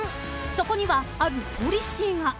［そこにはあるポリシーが］